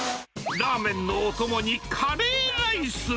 ラーメンのお供にカレーライス。